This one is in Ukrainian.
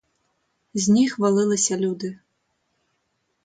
З ніг валилися люди.